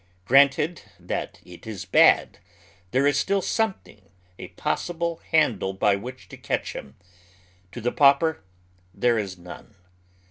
Granted that it is bad, there is still some thing, a possible handle by which to catch liim. To the panper there is none.